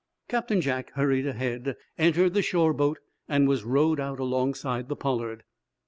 Captain Jack hurried ahead, entered the shore boat and was rowed out alongside the "Pollard."